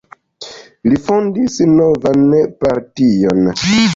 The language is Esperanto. Li fondis novan partion.